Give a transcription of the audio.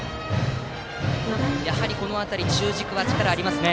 やはりこの辺り中軸は力がありますね。